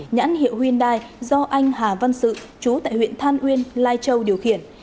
nhãn hiệu hyundai do anh hà văn sự chú tại huyện than uyên lai châu điều khiển